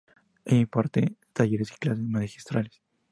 Ella imparte talleres y clases magistrales.